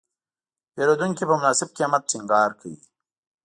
پیرودونکی په مناسب قیمت ټینګار کوي.